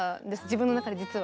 自分の中で実は。